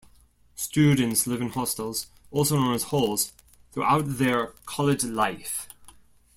Students live in hostels, also known as halls, throughout their college life.